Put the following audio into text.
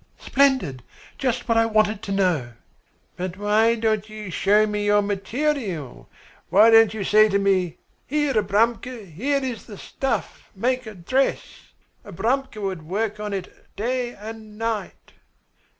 "Splendid! Just what I wanted to know." "But why don't you show me your material? Why don't you say to me, 'Here, Abramka, here is the stuff, make a dress?' Abramka would work on it day and night."